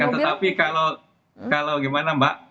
tetapi kalau gimana mbak